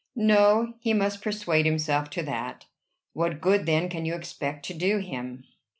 "No: he must persuade himself to that." "What good, then, can you expect to do him?"